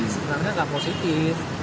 sebenarnya nggak positif